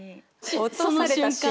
落とされた瞬間。